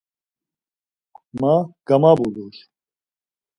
“Ma gamabulur!”